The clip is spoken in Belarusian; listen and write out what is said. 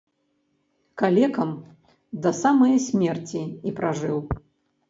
Калекам да самае смерці і пражыў.